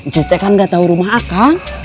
juta kan gak tahu rumah aku